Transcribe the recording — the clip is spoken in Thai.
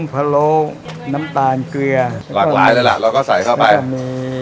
พะโลน้ำตาลเกลือหลากหลายเลยล่ะเราก็ใส่เข้าไปก็มี